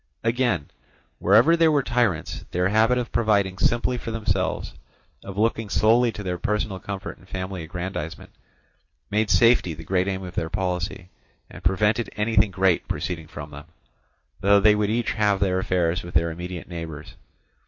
Again, wherever there were tyrants, their habit of providing simply for themselves, of looking solely to their personal comfort and family aggrandizement, made safety the great aim of their policy, and prevented anything great proceeding from them; though they would each have their affairs with their immediate neighbours.